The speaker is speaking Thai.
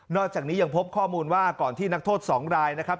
อกจากนี้ยังพบข้อมูลว่าก่อนที่นักโทษ๒รายนะครับ